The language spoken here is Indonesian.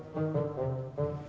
selamat datang di parkiran kami